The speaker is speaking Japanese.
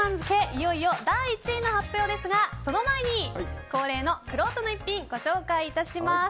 いよいよ第１位の発表ですがその前に、恒例のくろうとの逸品ご紹介いたします。